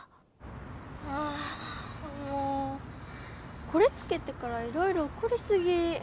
あもうこれつけてからいろいろおこりすぎ。